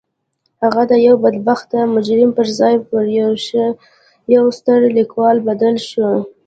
هغه د یوه بدبخته مجرم پر ځای پر یوه ستر لیکوال بدل شو